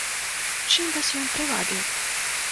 Чым вас ён прывабіў?